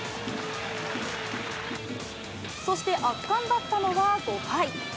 そして、圧巻だったのは５回。